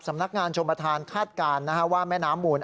สำนักงานชมประธานคาดการณ์ว่าแม่น้ำมูล